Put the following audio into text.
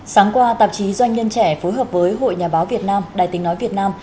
sáng qua tạp chí doanh nhân trẻ phối hợp với hội nhà báo việt nam đài tình nói việt nam